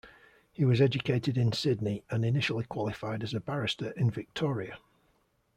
He was educated in Sydney and initially qualified as a barrister in Victoria.